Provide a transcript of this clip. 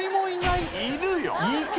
いるよ。